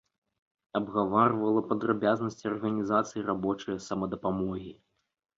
Абгаварвалі падрабязнасці арганізацыі рабочае самадапамогі.